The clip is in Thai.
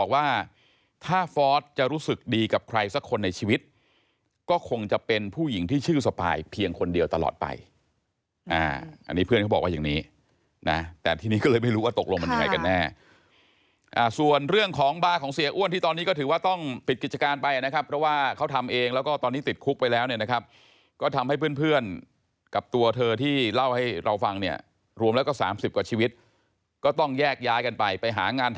ว่าถ้าฟอร์สจะรู้สึกดีกับใครสักคนในชีวิตก็คงจะเป็นผู้หญิงที่ชื่อสปายเพียงคนเดียวตลอดไปอันนี้เพื่อนเขาบอกว่าอย่างนี้นะแต่ทีนี้ก็เลยไม่รู้ว่าตกลงมันยังไงกันแน่ส่วนเรื่องของบาร์ของเสียอ้วนที่ตอนนี้ก็ถือว่าต้องปิดกิจการไปนะครับเพราะว่าเขาทำเองแล้วก็ตอนนี้ติดคุกไปแล้วเนี่ยนะครับก็ทำให้เพ